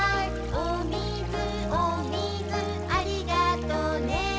「おみずおみずありがとね」